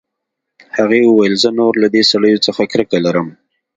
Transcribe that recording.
هغې وویل زه نور له دې سړیو څخه کرکه لرم